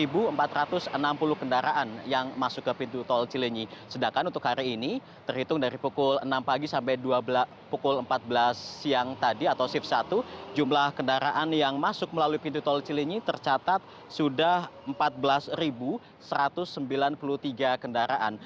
yang masuk ke pintu tol cilenyi sedangkan untuk hari ini terhitung dari pukul enam pagi sampai pukul empat belas siang tadi atau shift satu jumlah kendaraan yang masuk melalui pintu tol cilinyi tercatat sudah empat belas satu ratus sembilan puluh tiga kendaraan